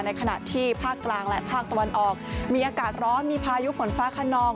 ขณะที่ภาคกลางและภาคตะวันออกมีอากาศร้อนมีพายุฝนฟ้าขนอง